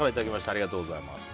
ありがとうございます。